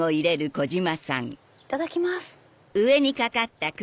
いただきます！